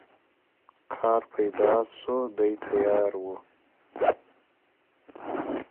کار پیدا سو دی تیار وو